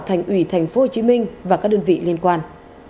thành ủy tp hcm và các đơn vị liên quan